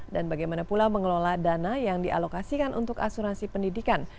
dan bagaimana pula mengelola dana yang dialokasikan untuk asuransi pendidikan